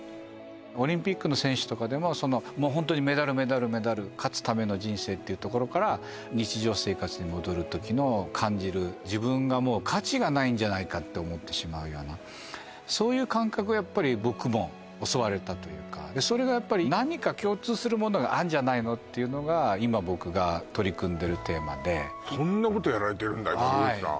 オリンピックの選手とかでもホントにメダルメダルメダル勝つための人生っていうところから日常生活に戻るときの感じるって思ってしまうようなそういう感覚はやっぱり僕も襲われたというかそれが何か共通するものがあんじゃないの？っていうのが今僕が取り組んでるテーマでそんなことやられてるんだ